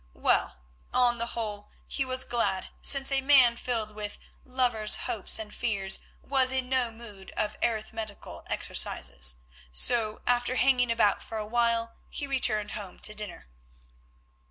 Well, on the whole, he was glad, since a man filled with lover's hopes and fears was in no mood for arithmetical exercises, so, after hanging about for a while, he returned home to dinner.